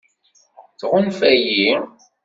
Tɣunfa-yi?